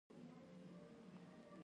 د کړکۍ زاړه چوکاټ غږ کاوه.